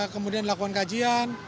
kemudian lakukan kajian